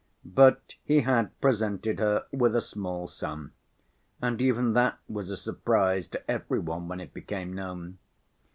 But he had presented her with a small sum, and even that was a surprise to every one when it became known.